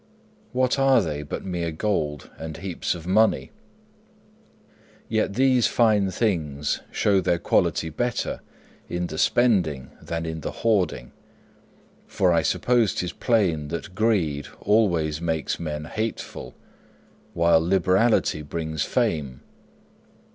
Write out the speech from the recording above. What are they but mere gold and heaps of money? Yet these fine things show their quality better in the spending than in the hoarding; for I suppose 'tis plain that greed Alva's makes men hateful, while liberality brings fame.